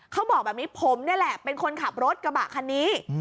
เขาบอกแบบนี้ผมนี่แหละเป็นคนขับรถกระบะคันนี้